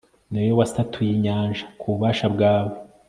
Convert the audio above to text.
ni wowe wasatuye inyanja ku bubasha bwawe